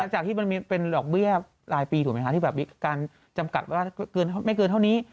จากที่มันเป็นดอกเบี้ยรายปีถูกไหมคะที่แบบมีการจำกัดว่าไม่เกินเท่านี้